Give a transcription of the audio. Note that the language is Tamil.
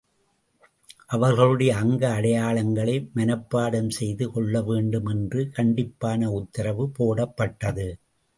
அவர்களுடைய அங்க அடையாளங்களை மனப்பாடம் செய்து கொள்ள வேண்டும் என்று கண்டிப்பான உத்தரவு போடப்பட்டது.